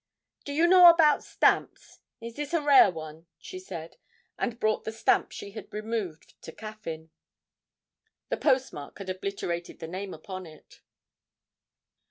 'Do you know about stamps is this a rare one?' she said, and brought the stamp she had removed to Caffyn. The postmark had obliterated the name upon it.